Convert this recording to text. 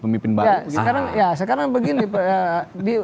pemimpin baru sekarang begini